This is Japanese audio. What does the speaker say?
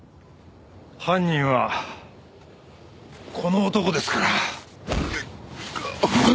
犯人はこの男ですから。